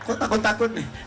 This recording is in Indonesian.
kok takut takut nih